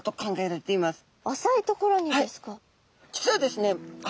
実はですね